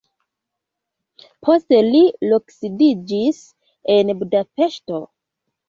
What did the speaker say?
Poste li loksidiĝis en Budapeŝto.